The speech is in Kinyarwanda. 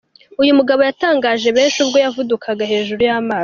Uyu mugabo yatangaje benshi ubwo yavudukaga hejuru y'amazi.